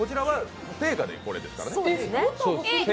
定価でこれですからね。